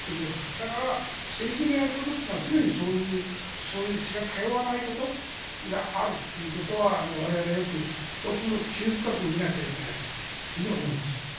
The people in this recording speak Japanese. だから政治にやることは常にそういう血が通わないことがあるということは我々はよく注意深く見なければいけないと思いました。